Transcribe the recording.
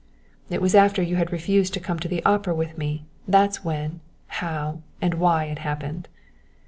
"It was after you had refused to come to the Opera with me, that's when, how, and why it happened."